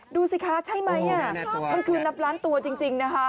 ดูสิคะใช่ไหมมันคือนับล้านตัวจริงนะคะ